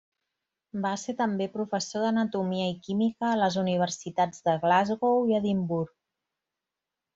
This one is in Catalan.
Va ser també professor d'anatomia i química a les universitats de Glasgow i Edimburg.